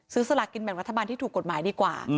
สลากินแบ่งรัฐบาลที่ถูกกฎหมายดีกว่า